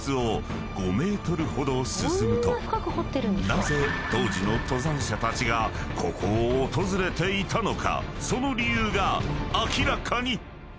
［なぜ当時の登山者たちがここを訪れていたのかその理由が明らかに！］